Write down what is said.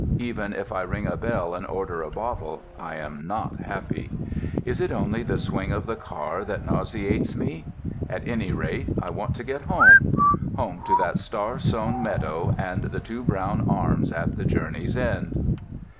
Even if I ring a bell and order a bottle I am not happy. Is it only the swing of the car that nauseates me? At any rate, I want to get home—home to that star sown meadow and the two brown arms at the journey's end.